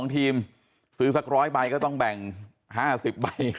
๒ทีมซื้อสัก๑๐๐ใบก็ต้องแบ่ง๕๐ใบ